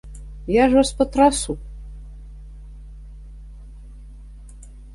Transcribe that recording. Я ж вас патрасу!